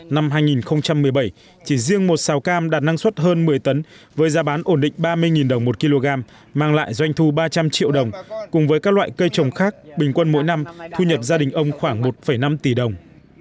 năm hai nghìn một mươi bảy chỉ riêng một xào cam đạt năng suất hơn một mươi tấn với giá bán ổn định ba mươi đồng một kg mang lại doanh thu ba trăm linh triệu đồng cùng với các loại cây trồng khác bình quân mỗi năm thu nhập gia đình ông khoảng một năm tỷ đồng